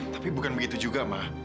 tapi bukan begitu juga ma